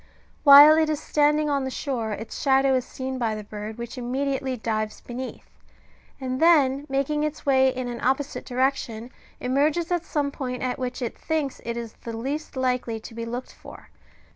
While it is standing on the shore its shadow is seen by the bird, which immediately dives beneath, and then making its way in an opposite direction, emerges at some point at which it thinks it is the least likely to be looked for.